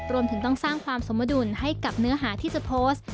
รวมถึงต้องสร้างความสมดุลให้กับเนื้อหาที่จะโพสต์